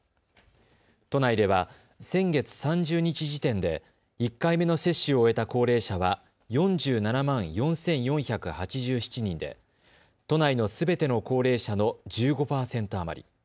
都内では先月３０日時点で１回目の接種を終えた高齢者は４７万４４８７人で都内のすべての高齢者の１５％余り。